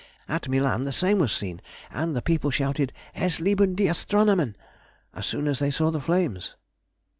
At Milan the same was seen, and the people shouted out "Es leben die Astronomen!" as soon as they saw the flames.